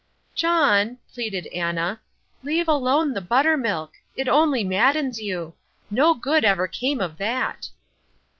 "John," pleaded Anna, "leave alone the buttermilk. It only maddens you. No good ever came of that."